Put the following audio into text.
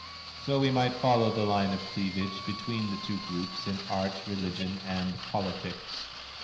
So we might follow the line of cleavage between the two groups in Art, Religion and Politics.